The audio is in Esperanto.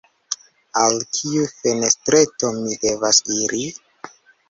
Al kiu fenestreto mi devas iri?